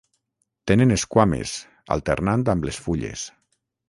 Tenen esquames, alternant amb les fulles.